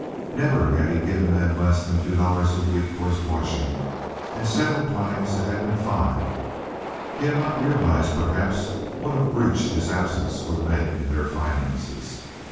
Never had he given them less than two dollars a week for his washing, and several times it had been five. He had not realized, perhaps, what a breach his absence would make in their finances.